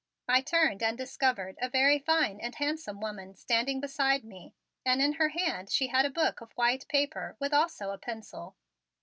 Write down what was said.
I turned and discovered a very fine and handsome woman standing beside me and in her hand she had a book of white paper with also a pencil.